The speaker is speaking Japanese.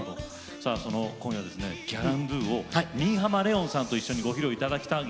さあ今夜は「ギャランドゥ」を新浜レオンさんと一緒にご披露いただきたいんですけども。